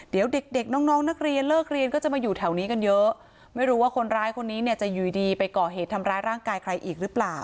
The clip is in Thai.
เดี๋ยวเด็กเด็กน้องน้องนักเรียนเลิกเรียนก็จะมาอยู่แถวนี้กันเยอะไม่รู้ว่าคนร้ายคนนี้เนี่ยจะอยู่ดีไปก่อเหตุทำร้ายร่างกายใครอีกหรือเปล่า